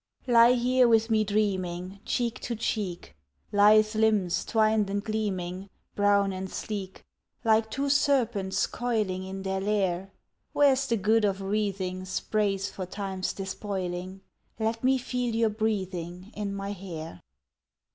Lie here with me dreaming, Cheek to cheek, Lithe limbs twined and gleaming, Brown and sleek; Like two serpents coiling In their lair. Where's the good of wreathing Sprays for Time's despoiling? Let me feel your breathing In my hair.